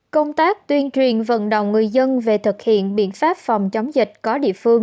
các tuyên truyền vận động người dân về thực hiện biện pháp phòng chống dịch có địa phương